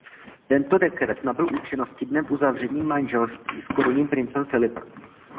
Tento dekret nabyl účinnosti dnem uzavření manželství s korunním princem Filipem.